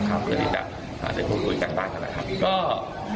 เกิดอะไรขึ้นนะครับ